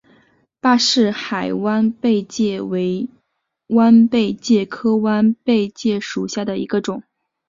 巴士海弯贝介为弯贝介科弯贝介属下的一个种。